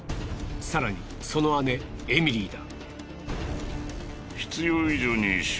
更にその姉エミリーだ。